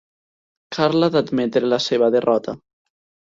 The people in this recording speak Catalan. Carla ha d'admetre la seva derrota.